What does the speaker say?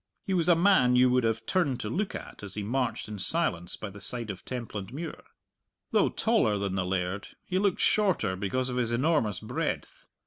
He was a man you would have turned to look at as he marched in silence by the side of Templandmuir. Though taller than the laird, he looked shorter because of his enormous breadth.